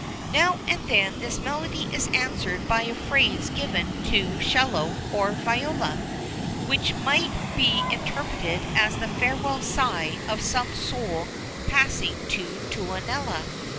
Now and then this melody is answered by a phrase given to 'cello or viola, which might be interpreted as the farewell sigh of some soul passing to Tuonela.